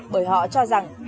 bởi họ cho rằng